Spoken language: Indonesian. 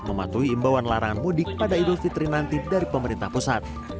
membawa nelarangan mudik pada idul fitri nanti dari pemerintah pusat